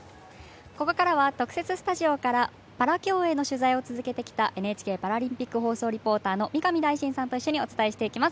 ここからは特設スタジオからパラ競泳の取材を続けてきたＮＨＫパラリンピック放送リポーターの三上大進さんと一緒にお伝えしていきます。